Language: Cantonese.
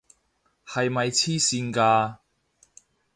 係咪癡線㗎？